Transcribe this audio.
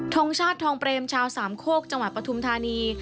งชาติทองเปรมชาวสามโคกจังหวัดปฐุมธานี